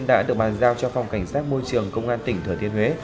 đã được bàn giao cho phòng cảnh sát môi trường công an tỉnh thừa thiên huế